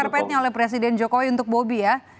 ibu kakak repetnya oleh presiden jokowi untuk bobi ya